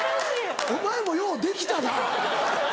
お前もようできたな。